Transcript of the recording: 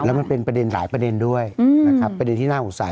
แล้วมันเป็นประเด็นหลายประเด็นด้วยนะครับประเด็นที่น่าสงสัย